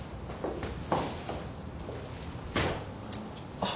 あっ。